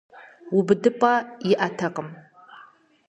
УбыдыпӀэ иӀэтэкъым.